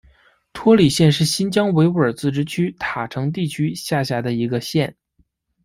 托里县是新疆维吾尔自治区塔城地区下辖的一个县。